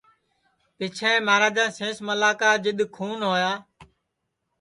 پیچھیں مہاراجا سینس ملا کا جِدؔ کھون ہوا